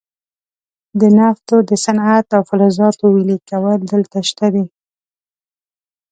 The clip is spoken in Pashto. د نفتو د صنعت او فلزاتو ویلې کول دلته شته دي.